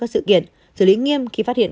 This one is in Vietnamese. các sự kiện giữ lý nghiêm khi phát hiện